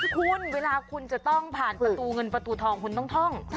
คุณเวลาคุณจะต้องผ่านประตูเงินประตูทองคุณต้องท่อง